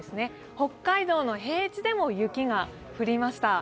北海道の平地でも雪が降りました。